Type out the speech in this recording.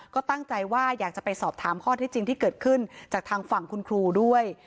ก็ตั้งใจว่าอยากจะไปสอบถามข้อที่จริงที่เกิดขึ้นจากทางฝั่งคุณครูด้วย